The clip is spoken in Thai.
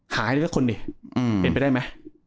หาให้ได้แค่คนดิเห็นไปได้มั้ย